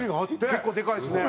結構でかいですね。